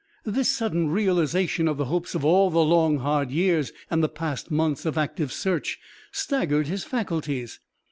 This sudden realization of the hopes of all the long hard years and the past months of active search, staggered his faculties.